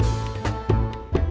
biasa aja meren